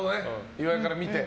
岩井から見て。